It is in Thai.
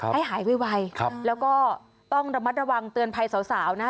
หายไวแล้วก็ต้องระมัดระวังเตือนภัยสาวนะ